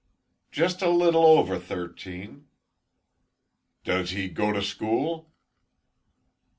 "Just a little over thirteen." "Does he go to school?"